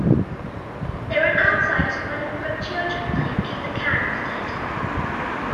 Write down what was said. They run outside to find a group of children playing kick the can instead.